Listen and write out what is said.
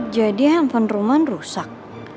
jadi handphone roman rusak